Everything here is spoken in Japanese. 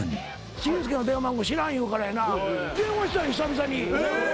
紳助の電話番号知らん言うからやな電話したんや久々に。